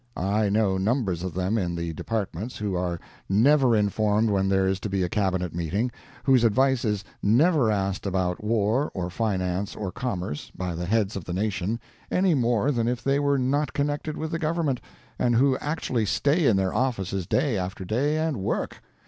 I know numbers of them in the departments who are never informed when there is to be a Cabinet meeting, whose advice is never asked about war, or finance, or commerce, by the heads of the nation, any more than if they were not connected with the government, and who actually stay in their offices day after day and work!